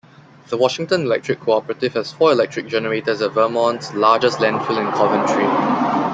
The Washington Electric Cooperative has four electric generators at Vermont's largest landfill in Coventry.